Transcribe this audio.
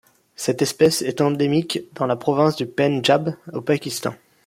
Cette espèce est endémique dans la province du Pendjab au Pakistan.